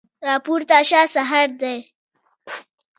راپورته شه سحر دی